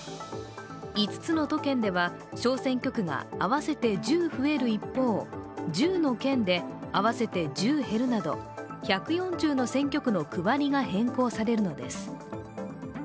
５つの都県では小選挙区が合わせて１０増える一方、１０の県で合わせて１０減るなど１４０の選挙区の区割りが変更されるのです。